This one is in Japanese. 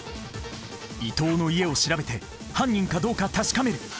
伊藤の家を調べて犯人かどうか確かめる！